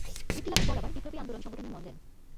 মুক্তিলাভের পর আবার বিপ্লবী আন্দোলন সংগঠনে মন দেন।